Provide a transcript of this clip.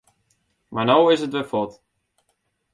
Mar no is it wer fuort.